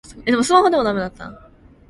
일 년이 못 되어 설령 자네에게 돌아온다고 하여 보세.